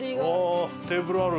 テーブルある！